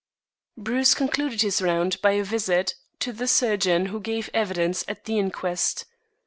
Bruce concluded his round by a visit to the surgeon who gave evidence at the inquest.